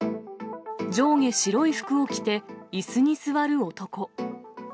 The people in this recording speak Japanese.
上下白い服を着て、いすに座る男。